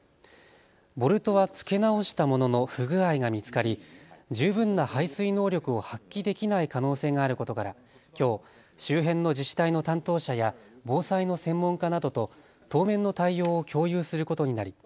ボルトは付け直したものの不具合が見つかり十分な排水能力を発揮できない可能性があることからきょう周辺の自治体の担当者や防災の専門家などと当面の対応を共有することになり